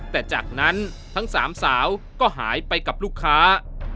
แต่จากนั้นทั้งสามสาวก็หายไปกับลูกค้า